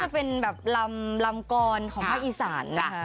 ก็จะเป็นแบบลำกรของพระอีสานนะคะ